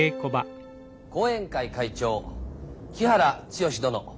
後援会会長木原剛殿。